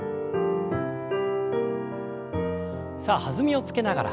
さあ弾みをつけながら。